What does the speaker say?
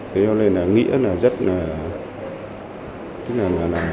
thế cho nên là nghĩa rất là